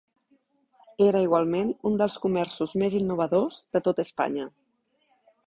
Era, igualment, un dels comerços més innovadors de tot Espanya.